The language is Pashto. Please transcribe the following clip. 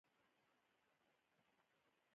نور موټر ورته ودرېدل.